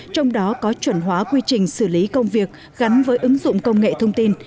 trong đó có chuẩn hóa quy trình xử lý công việc gắn với ứng dụng công nghệ thông tin